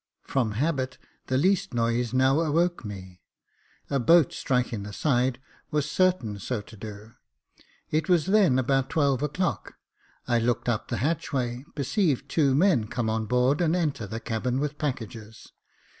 From habit, the least noise now awoke me : a boat striking the side was certain so to do. It was then about twelve o'clock. I looked up the hatchway, perceived two men come on board and enter the cabin with packages.